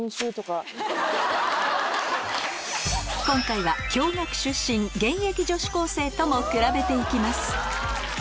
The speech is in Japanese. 今回は共学出身現役女子高生ともくらべて行きます